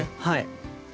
はい。